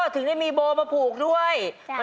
ถึงที่มีโบมาถูกด้วย